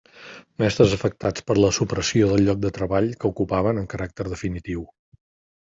Mestres afectats per la supressió del lloc de treball que ocupaven amb caràcter definitiu.